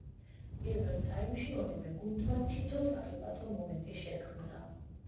პირველ ტაიმში ორივე გუნდმა თითო სახიფათო მომენტი შექმნა.